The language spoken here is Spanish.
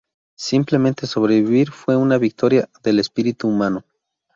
Simplemente sobrevivir fue una victoria del espíritu humano.